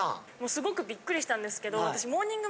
すごくびっくりしたんですけど。